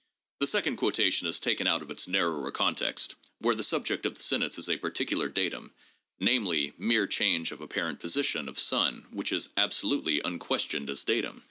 The second quotation is taken out of its narrower context, where the subject of the sentence is a particular datum, namely, " Mere change of apparent position of sun, which is absolutely unques tioned as datum."